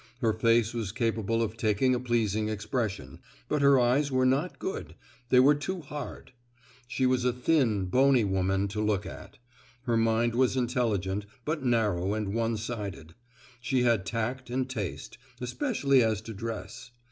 Her face was capable of taking a pleasing expression, but her eyes were not good—they were too hard. She was a thin, bony woman to look at. Her mind was intelligent, but narrow and one sided. She had tact and taste, especially as to dress.